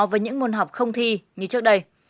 với những môn học không thi như trước đây